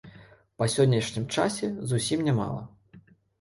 Па сённяшнім часе зусім не мала.